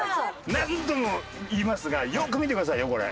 何度も言いますがよく見てくださいよこれ。